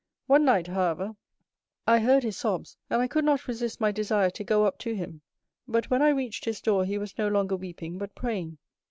One night, however, I heard his sobs, and I could not resist my desire to go up to him, but when I reached his door he was no longer weeping but praying.